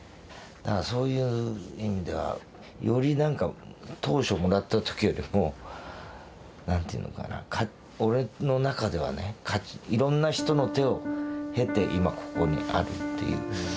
だからそういう意味ではよりなんか当初もらった時よりも何ていうのかな俺の中ではねいろんな人の手を経て今ここにあるっていう。